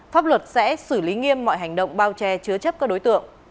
pháp luật sẽ xử lý nghiêm mọi hành động bao che chứa chấp các đối tượng